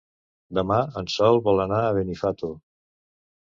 Demà en Sol vol anar a Benifato.